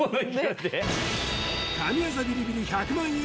神業ビリビリ１００万円